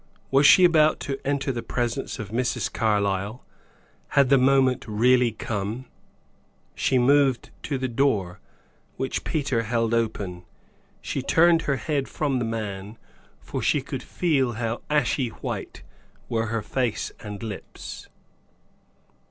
Was she about to enter the presence of Mrs. Carlyle? Had the moment really come? She moved to the door, which Peter held open. She turned her head from the man, for she could feel how ashy white were her face and lips.